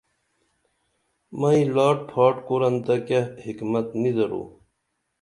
مئی لاٹ پھاٹ کُرن تہ کیہ حکمت نی درو